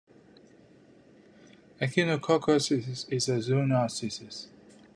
Echinococcosis is a zoonosis.